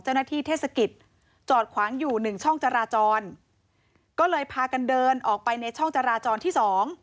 จอดขวางอยู่๑ช่องจราจรก็เลยพากันเดินออกไปในช่องจราจรที่๒